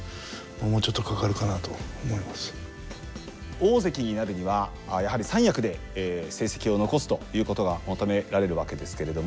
大関になるにはやはり三役で成績を残すということが求められるわけですけれども。